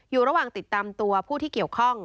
อยู่ระหว่างติดตามตัวผู้ที่เกี่ยวข้อง